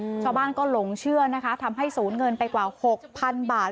ชาวบ้านก็หลงเชื่อนะคะทำให้ศูนย์เงินไปกว่าหกพันบาท